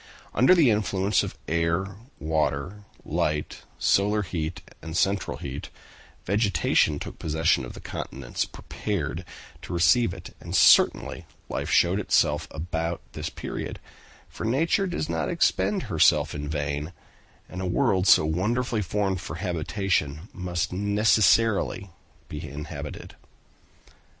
Under the influence of air, water, light, solar heat, and central heat, vegetation took possession of the continents prepared to receive it, and certainly life showed itself about this period, for nature does not expend herself in vain; and a world so wonderfully formed for habitation must necessarily be inhabited."